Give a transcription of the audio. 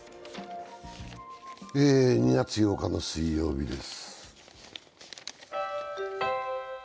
２月８日の水曜日です。